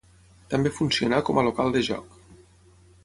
També funcionà com a local de joc.